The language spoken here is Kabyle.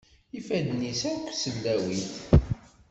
Ifadden-is akk sellawit.